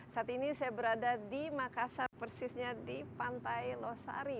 saat ini saya berada di makassar persisnya di pantai losari